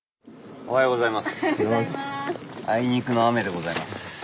おはようございます。